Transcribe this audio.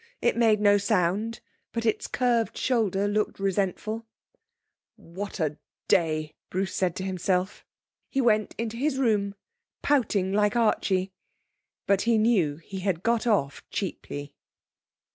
It made no sound, but its curved shoulder looked resentful. 'What a day!' said Bruce to himself. He went to his room, pouting like Archie. But he knew he had got off cheaply.